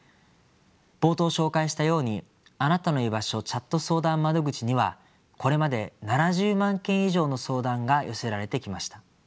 冒頭紹介したようにあなたのいばしょチャット相談窓口にはこれまで７０万件以上の相談が寄せられてきました。